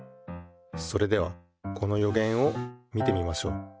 それではこのよげんを見てみましょう。